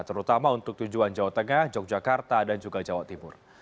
terutama untuk tujuan jawa tengah yogyakarta dan juga jawa timur